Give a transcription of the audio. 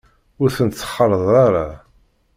Ur tent-ttxalaḍ ara.